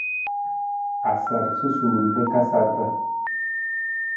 A sar susuur nra ka sarata.